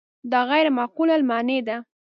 دا غیر معقولة المعنی ده.